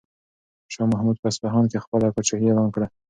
شاه محمود په اصفهان کې خپله پاچاهي اعلان کړه.